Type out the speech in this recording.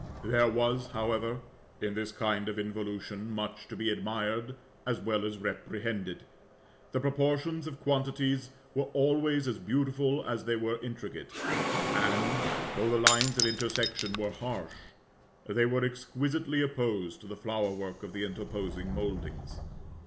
There was, however, in this kind of involution, much to be admired as well as reprehended, the proportions of quantities were always as beautiful as they were intricate; and, though the lines of intersection were harsh, they were exquisitely opposed to the flower work of the interposing mouldings.